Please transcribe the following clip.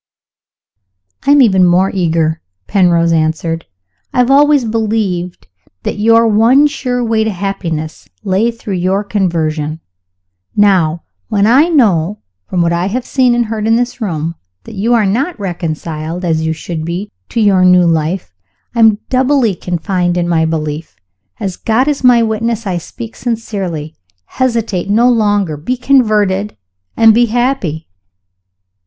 "I am even more eager," Penrose answered. "I have always believed that your one sure way to happiness lay through your conversion. Now, when I know, from what I have seen and heard in this room, that you are not reconciled, as you should be, to your new life, I am doubly confined in my belief. As God is my witness, I speak sincerely. Hesitate no longer! Be converted, and be happy."